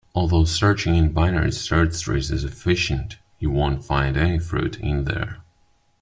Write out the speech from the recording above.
Although searching in binary search trees is efficient, you won't find any fruit in there.